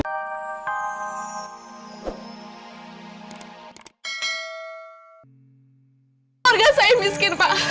keluarga saya miskin pak